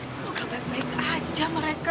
semoga baik baik aja mereka